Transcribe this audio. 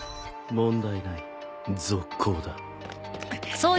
問題ない続行だ。